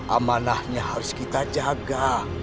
amanahnya harus kita jaga